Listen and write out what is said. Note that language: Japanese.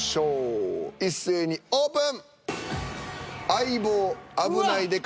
一斉にオープン。